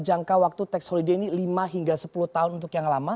jangka waktu tax holiday ini lima hingga sepuluh tahun untuk yang lama